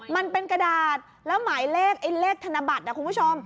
มันเป็นกระดาษแล้วหมายเลขไอ้เลขธนบัตรนะคุณผู้ชม